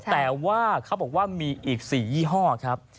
แต่ว่าเขาบอกว่ามีอีก๔ยี่ห้อครับ